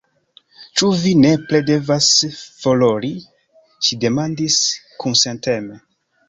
Ĉu vi nepre devas foriri? ŝi demandis kunsenteme.